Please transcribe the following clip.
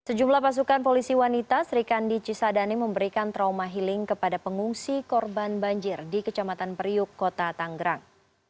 sejumlah pasukan polisi wanita sri kandi cisadane memberikan trauma healing kepada pengungsi korban banjir di kecamatan periuk kota tanggerang